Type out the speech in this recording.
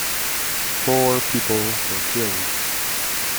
Four people were killed.